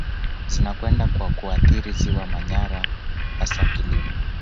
Zinakwenda kwa kuathiri ziwa Manyara hasa kilimo